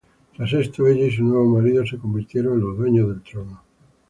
Tras esto, ella y su nuevo marido se convertirían en los dueños del trono.